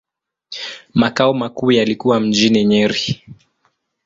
Makao makuu yalikuwa mjini Nyeri.